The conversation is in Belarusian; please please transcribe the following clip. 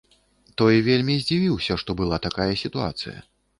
Той вельмі здзівіўся, што была такая сітуацыя.